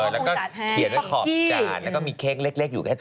แล้วก็เขียนไว้ขอบจานแล้วก็มีเค้กเล็กอยู่แค่๗